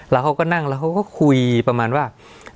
แล้วเขาก็นั่งแล้วเขาก็คุยประมาณว่า